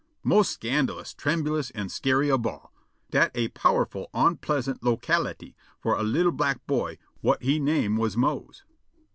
mos' scandalous' trembulous an' scary ob all. Dat a powerful onpleasant locality for a li'l' black boy whut he name was Mose.